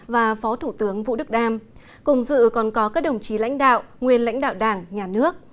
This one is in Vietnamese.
và phó thủ tướng vũ đức đam cùng dự còn có các đồng chí lãnh đạo nguyên lãnh đạo đảng nhà nước